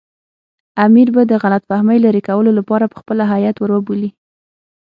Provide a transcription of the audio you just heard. امیر به د غلط فهمۍ لرې کولو لپاره پخپله هیات ور وبولي.